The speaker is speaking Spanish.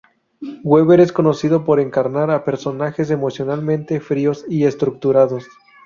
Weber es conocido por encarnar a personajes emocionalmente fríos y estructurados.